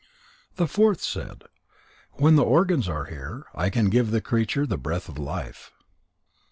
The fourth said: "When the organs are there, I can give the creature the breath of life."